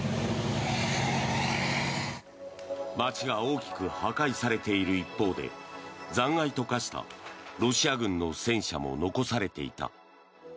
街が大きく破壊されている一方で残骸と化したロシア軍の戦車も残されていた。